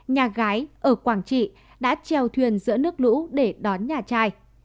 nhà gái ở quảng trị đã treo thuyền giữa nước lũ để đón nhà trai